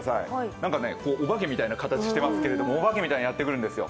なんかおばけみたいな形をしていますけれども、おばけみたいにやって来るんですよ。